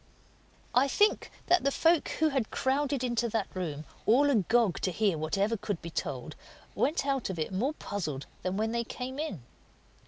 I think that the folk who had crowded into that room, all agog to hear whatever could be told, went out of it more puzzled than when they came in.